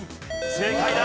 正解だ！